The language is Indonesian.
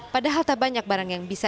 padahal tak banyak barang yang bisa